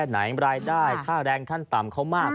ไหนรายได้ค่าแรงขั้นต่ำเขามาก